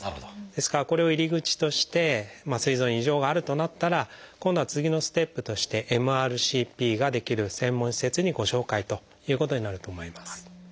ですからこれを入り口としてすい臓に異常があるとなったら今度は次のステップとしてＭＲＣＰができる専門施設にご紹介ということになると思います。